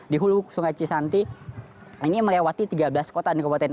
di hulu sungai cisanti ini melewati tiga belas kota nih kabupaten